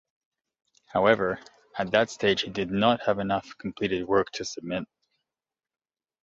However at that stage he did not have enough completed work to submit.